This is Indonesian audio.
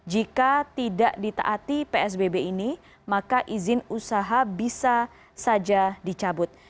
jika tidak ditaati psbb ini maka izin usaha bisa saja dicabut